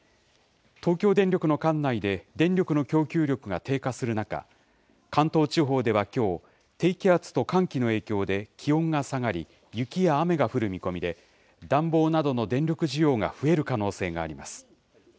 東京電力の管内で電力の供給力が低下する中、関東地方ではきょう、低気圧と寒気の影響で気温が下がり、雪や雨が降る見込みで、暖房などの電力需要が増える可能性があります。